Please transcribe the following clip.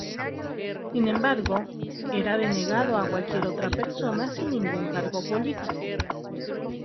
Sin embargo, era denegado a cualquier otra persona sin ningún cargo político.